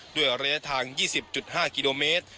ด้วยระยะทาง๒๐๕กิโลเมตร